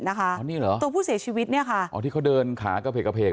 อันนี้เหรอตัวผู้เสียชีวิตเนี่ยค่ะอ๋อที่เขาเดินขากระเพกกระเพก